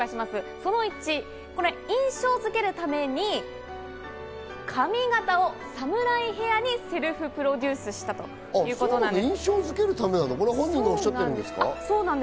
その１、印象づけるために髪形をサムライヘアにセルフプロデュースしたということなんです。